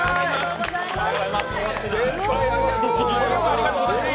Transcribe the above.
ありがとうございます！